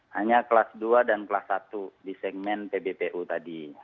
hanya kelas dua dan kelas satu di segmen pbpu tadi